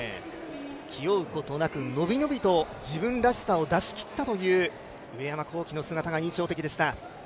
気負うことなく伸び伸びと自分らしさを出しきったという上山紘輝の姿が印象的でした。